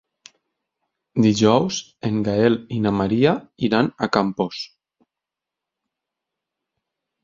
Dijous en Gaël i na Maria iran a Campos.